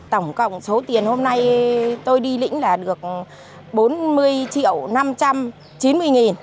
tổng cộng số tiền hôm nay tôi đi lĩnh là được bốn mươi triệu năm trăm chín mươi nghìn